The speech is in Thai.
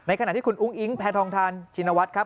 ขณะที่คุณอุ้งอิงแพทองทานชินวัฒน์ครับ